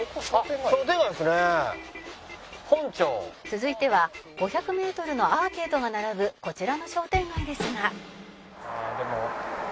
「続いては５００メートルのアーケードが並ぶこちらの商店街ですが」